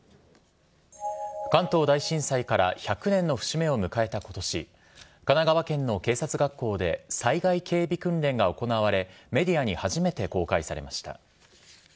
関東大震災から１００年の節目を迎えたことし、神奈川県の警察学校で、災害警備訓練が行われ、メディアに初めて公開されました。